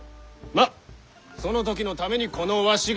まっその時のためにこのわしがおる！